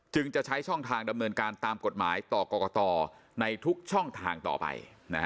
จะใช้ช่องทางดำเนินการตามกฎหมายต่อกรกตในทุกช่องทางต่อไป